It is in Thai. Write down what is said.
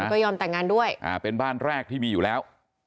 ก็ยอมแต่งงานด้วยเป็นบ้านแรกที่มีอยู่แล้ว